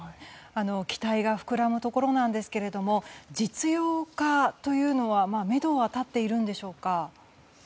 期待が膨らむところですが実用化のめどは立っているんでしょうか？